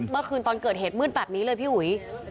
เมื่อคืนตอนเกิดเหตุมืดแบบนี้เลยพี่อุ๋ย